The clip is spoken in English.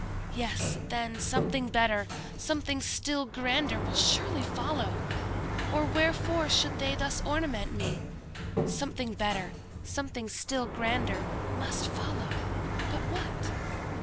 Yes; then something better, something still grander, will surely follow, or wherefore should they thus ornament me? Something better, something still grander, must follow—but what?